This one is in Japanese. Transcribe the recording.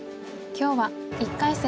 今日は１回戦